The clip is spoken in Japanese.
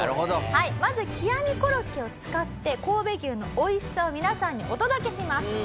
はいまず極みコロッケを使って神戸牛の美味しさを皆さんにお届けします。